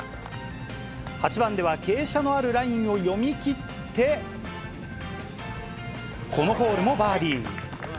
８番では傾斜のあるラインを読み切って、このホールもバーディー。